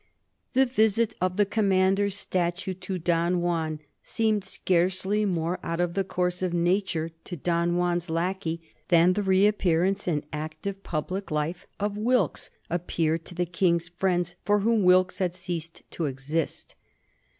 The visit of the Commander's statue to Don Juan seemed scarcely more out of the course of nature to Don Juan's lackey than the reappearance in active public life of Wilkes appeared to the King's friends, for whom Wilkes had ceased to exist.